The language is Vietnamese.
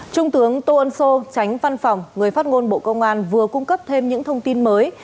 trung tướng tô ân sô tránh văn phòng người phát ngôn bộ công an vừa cung cấp thêm những thông tin mới